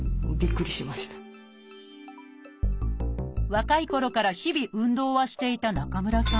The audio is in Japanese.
若いころから日々運動はしていた中村さん。